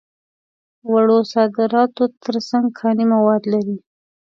وړو صادراتو تر څنګ کاني مواد لري.